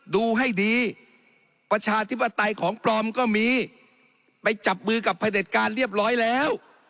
ดูให้ดีประชาธิปไตยของปลอมก็มีไปจับมือกับพระเด็จการเรียบร้อยแล้ว